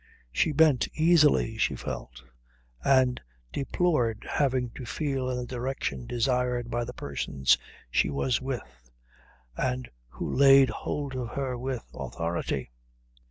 She bent easily, she felt, and deplored having to feel in the direction desired by the persons she was with and who laid hold of her with authority.